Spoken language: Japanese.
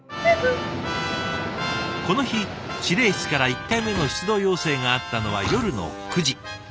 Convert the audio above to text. この日司令室から１回目の出動要請があったのは夜の９時。